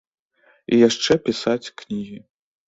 І яшчэ пісаць кнігі.